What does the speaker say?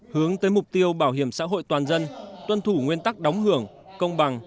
hướng tới mục tiêu bảo hiểm xã hội toàn dân tuân thủ nguyên tắc đóng hưởng công bằng